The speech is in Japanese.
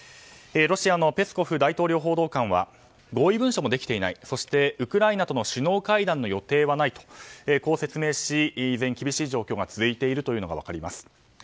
ロシアのペスコフ大統領報道官は合意文書もできていないそして、ウクライナとの首脳会談の予定はないとこう説明し、依然厳しい状況が続いているのが分かります。